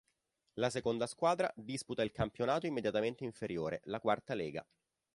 La seconda squadra disputa il campionato immediatamente inferiore, la Quarta Lega.